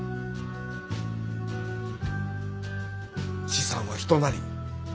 資産は人なり。